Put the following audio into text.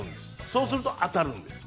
そうすると、当たるんです。